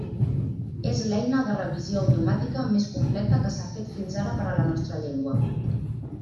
És l'eina de revisió automàtica més completa que s'ha fet fins ara per a la nostra llengua.